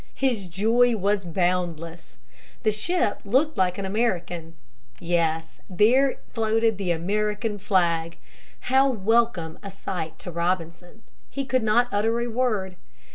His joy was boundless. The ship looked like an American. Yes, there floated the American flag! How welcome a sight to Robinson. He could not utter a word.